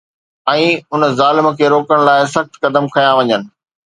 ۽ ان ظالم کي روڪڻ لاءِ سخت قدم کنيا وڃن